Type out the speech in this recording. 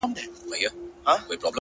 او ته خبر د کوم غریب د کور له حاله یې ـ